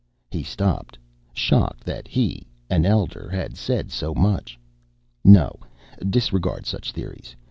He stopped, shocked that he, an elder, had said so much. "No, disregard such theories.